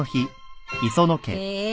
へえ。